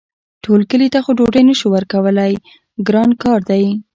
ټول کلي ته خو ډوډۍ نه شو ورکولی ګران کار دی.